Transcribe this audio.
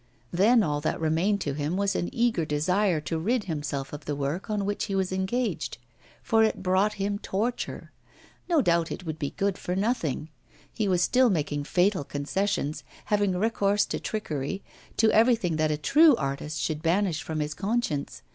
Then all that remained to him was an eager desire to rid himself of the work on which he was engaged, for it brought him torture; no doubt it would be good for nothing; he was still making fatal concessions, having recourse to trickery, to everything that a true artist should banish from his conscience.